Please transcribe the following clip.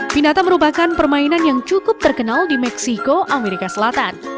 pinata merupakan permainan yang cukup terkenal di meksiko amerika selatan